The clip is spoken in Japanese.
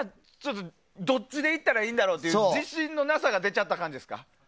どっちでいったらいいんだろうという自信のなさが出ちゃったわけですか？